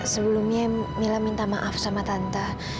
sebelumnya mila minta maaf sama tante